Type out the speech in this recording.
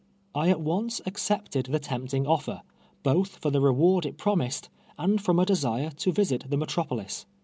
I at once accepted the tempting ofl'er, both for the reward it promised, and from a desire to visit the metropolis.